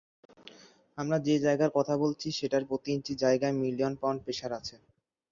আমরা যে জায়গার কথা বলছি সেটার প্রতি ইঞ্চি জায়গায় মিলিয়ন পাউন্ড প্রেশার আছে!